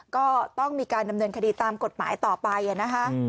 ก็ต้องมีการดำเนินคดีตามกฎหมายต่อไปนะคะ